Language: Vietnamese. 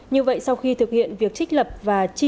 như vậy sau khi thực hiện việc trích lập và trích lập